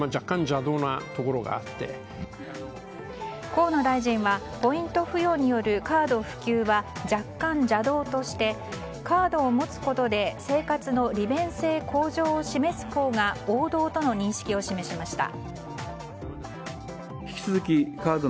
河野大臣はポイント付与によるカード普及は若干邪道としてカードを持つことで生活の利便性向上を示すほうが王道との認識を示しました。